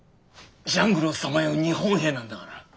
ジャングルをさまよう日本兵なんだから。